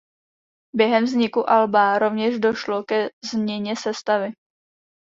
Během vzniku alba rovněž došlo ke změně sestavy.